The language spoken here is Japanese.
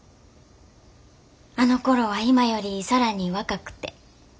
あのころは今より更に若くて。